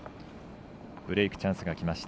ブレークチャンスがきました。